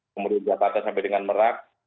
kemudian jakarta sampai dengan merak